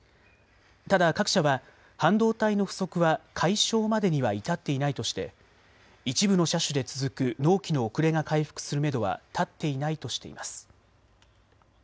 ただ各社は半導体の不足は解消までには至っていないとして一部の車種で続く納期の遅れが回復するめどは立っていないとしています。